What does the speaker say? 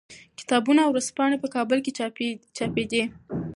کتابونه او ورځپاڼې په کابل کې چاپېدې.